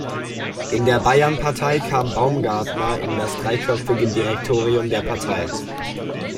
In der Bayernpartei kam Baumgartner in das dreiköpfige Direktorium der Partei.